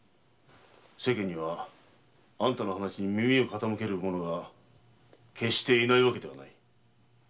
世間にはあんたの話に耳を傾ける者が決して居ないわけではない。